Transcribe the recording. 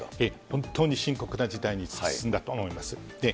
本当に深刻な事態に進んだと思います。